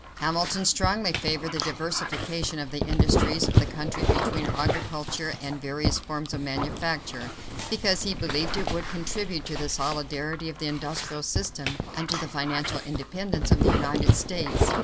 Hamilton strongly favored the diversification of the industries of the country between agriculture and various forms of manufacture, because he believed it would contribute to the solidity of the industrial system and to the financial independence of the United States.